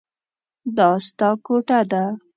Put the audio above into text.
دا ستا کوټه ده.